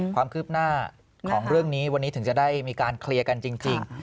ความคืบหน้าของเรื่องนี้วันนี้ถึงจะได้มีการเคลียร์กันจริง